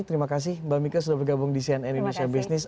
terima kasih mbak mika sudah bergabung di cnn indonesia business